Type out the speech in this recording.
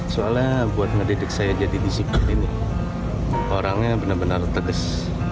soalnya buat mendidik saya jadi disiplin ini orangnya benar benar tegas